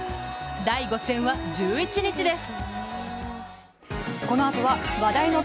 第５戦は１１日です。